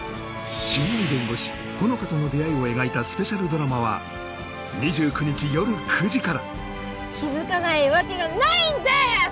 新米弁護士・穂乃果との出会いを描いたスペシャルドラマは２９日夜９時から気づかないわけがないんデス！